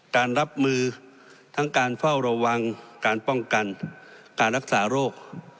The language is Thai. การรับมือทั้งการเฝ้าระวังการป้องกันการรักษาโรค